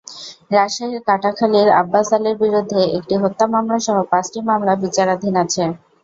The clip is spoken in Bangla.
রাজশাহীর কাটাখালীর আব্বাস আলীর বিরুদ্ধে একটি হত্যা মামলাসহ পাঁচটি মামলা বিচারাধীন আছে।